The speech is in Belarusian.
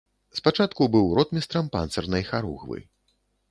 Спачатку быў ротмістрам панцырнай харугвы.